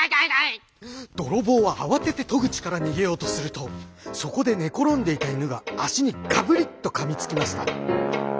泥棒は慌てて戸口から逃げようとするとそこで寝転んでいた犬が足にガブリッとかみつきました。